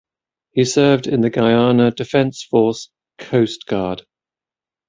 He served in the Guyana Defense Force Coast Guard.